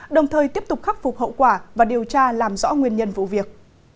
đồng thời tiếp tục khắc phục hậu quả và điều tra làm rõ nguyên nhân vụ việc